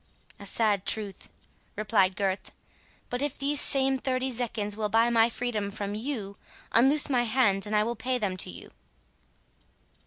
"A sad truth," replied Gurth; "but if these same thirty zecchins will buy my freedom from you, unloose my hands, and I will pay them to you."